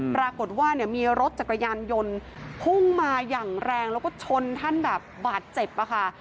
ปรากฏว่าเนี่ยมีรถจักรยานยนต์พุ่งมาอย่างแรงแล้วก็ชนท่านแบบบาดเจ็บอะค่ะ